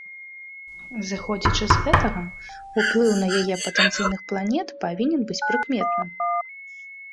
Зыходзячы з гэтага, уплыў на яе патэнцыйных планет павінен быць прыкметным.